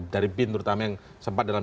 dari bin terutama yang sempat dalam